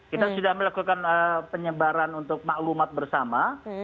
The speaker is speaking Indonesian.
kita sudah melakukan penyebaran untuk maklumat bersama